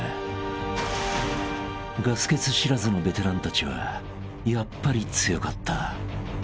［ガス欠知らずのベテランたちはやっぱり強かった］